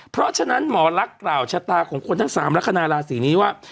เพราะฉะนั้นหมอลักราวชะตาของคนทั้งสามและคณาราศีนี้ว่า